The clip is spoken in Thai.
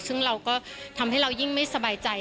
ซึ่งเราก็ทำให้เรายิ่งไม่สบายใจ